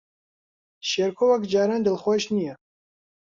شێرکۆ وەک جاران دڵخۆش نییە.